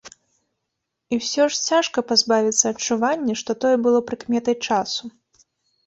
І ўсё ж, цяжка пазбавіцца адчування, што тое было прыкметай часу.